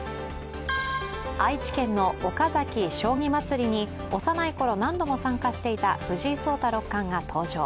愛知県の岡崎将棋まつりに幼いころ、何度も参加していた藤井聡太六冠が登場。